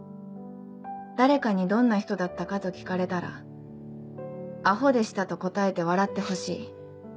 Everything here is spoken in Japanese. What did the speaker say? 誰かにどんな人だったかと聞かれたら『アホでした』と答えて笑ってほしい。